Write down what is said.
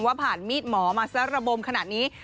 ว่าผ่านมีดหมอมาซะระบมขนาดนี้